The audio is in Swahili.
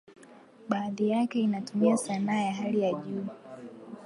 Baadhi yake inatumia sanaa ya hali ya juu.